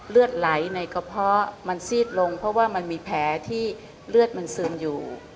เลือดไหลในกระเพาะมันซีดลงเพราะว่ามันมีแผลที่เลือดมันซึมอยู่